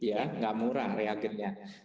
enggak murah reagentnya